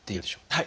はい。